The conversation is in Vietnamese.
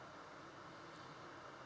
thưa đồng bào